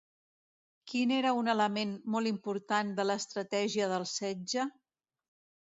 Quin era un element molt important de l'estratègia del setge?